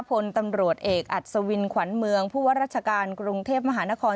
พลตำรวจเอกอัศวินขวัญเมืองผู้ว่าราชการกรุงเทพมหานคร